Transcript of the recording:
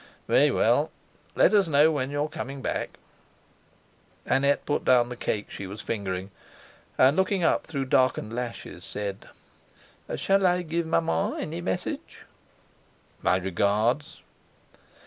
"Very well. Let us know when you are coming back." Annette put down the cake she was fingering, and, looking up through darkened lashes, said: "Shall I give Maman any message?" "My regards."